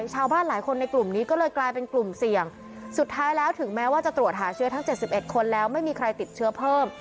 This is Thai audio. ชาวบ้านหลายคนในกลุ่มนี้ก็เลยกลายเป็นกลุ่มเสี่ยงสุดท้ายแล้วถึงแม้ว่าจะตรวจหาเชื้อทั้ง๗๑คนแล้วไม่มีใครติดเชื้อเพิ่ม